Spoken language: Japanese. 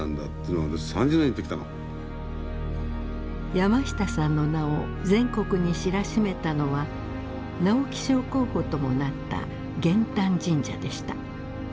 山下さんの名を全国に知らしめたのは直木賞候補ともなった「減反神社」でした。